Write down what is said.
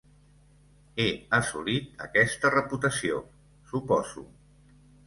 He assolit aquesta reputació, suposo.